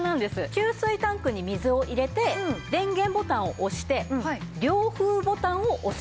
給水タンクに水を入れて電源ボタンを押して涼風ボタンを押す。